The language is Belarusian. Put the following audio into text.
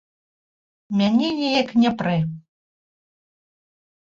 Мяне неяк не прэ.